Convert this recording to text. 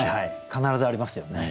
必ずありますよね。